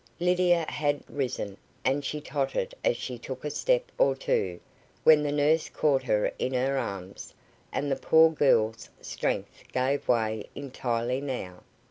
Lydia had risen, and she tottered as she took a step or two, when the nurse caught her in her arms, and the poor girl's strength gave way entirely now.